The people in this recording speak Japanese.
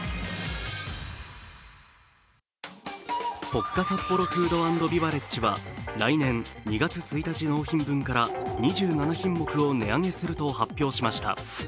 ポッカサッポロフード＆ビバレッジは来年２月１日納品分から２７品目を値上げすると発表しました。